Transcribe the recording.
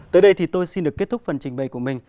tới đây thì tôi xin được kết thúc phần trình bày của mình